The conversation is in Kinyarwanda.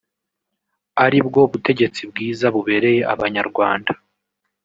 aribwo butegetsi bwiza bubereye abanyarwanda